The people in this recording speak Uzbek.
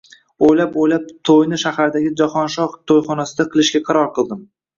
O`ylab-o`ylab to`yni shahardagi Jahonshoh to`yxonasida qilishga qaror qildim